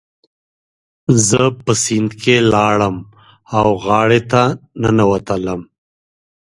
زه په سیند کې لاړم او غار ته ننوتلم.